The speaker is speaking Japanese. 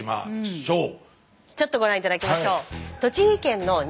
ちょっとご覧頂きましょう。